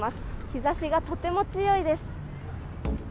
日ざしがとても強いです。